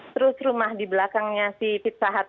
terus rumah di belakangnya si phd